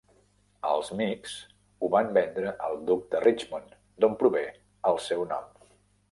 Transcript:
Els Meeks ho van vendre al duc de Richmond, d'on prové el seu nom.